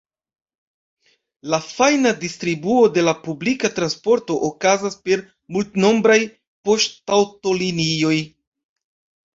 La fajna distribuo de la publika transporto okazas per multnombraj poŝtaŭtolinioj.